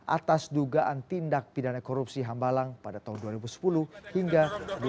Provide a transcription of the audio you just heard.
atas dugaan tindak pidana korupsi hambalang pada tahun dua ribu sepuluh hingga dua ribu enam belas